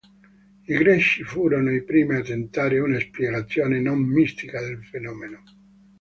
I greci furono i primi a tentare una spiegazione non mistica del fenomeno.